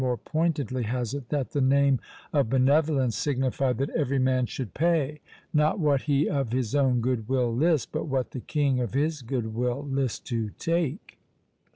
more pointedly has it, that "the name of benevolence signified that every man should pay, not what he of his own good will list, but what the king of his good will list to take."